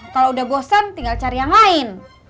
kalau udah bosan tinggal cari yang lain